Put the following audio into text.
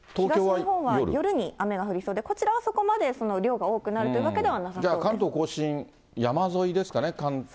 東日本は夜に雨が降りそうで、こちらはそこまで量が多くなるとじゃあ関東甲信、山沿いです